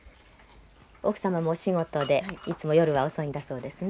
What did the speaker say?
奥さまもお仕事でいつも夜は遅いんだそうですね。